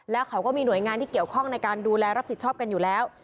แล้วเขาก็มีหน่วยงานที่เกี่ยวข้องในการดูแลรับผิดชอบกันอยู่แล้ว